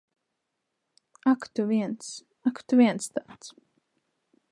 Ak tu viens. Ak, tu viens tāds!